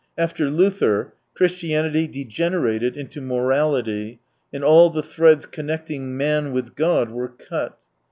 After Luther, Christianity degenerated into morality, and all the threads connecting man with God were cut.